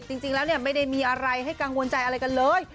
จริงแล้วเนี่ยไม่ได้มีอะไรให้กังวลใจอะไรกันเลย